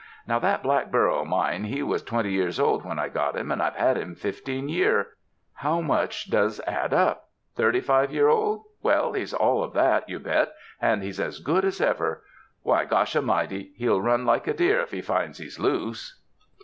Now that black burro of mine, he was twenty years old 17 UNDER THE SKY IN CALIFORNIA when I got him and I've had him fifteen year. How much does add np? Thirty five year old? Well, he's all of that, yon bet, and he's as good as ever. Why, gosh a 'mighty, he'll run like a deer, if he finds he's loose.